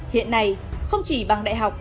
hiện nay không chỉ bằng đại học